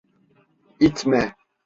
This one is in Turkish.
İtme!